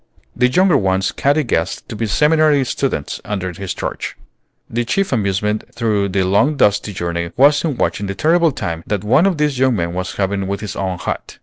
The younger ones Katy guessed to be seminary students under his charge. Her chief amusement through the long dusty journey was in watching the terrible time that one of these young men was having with his own hat.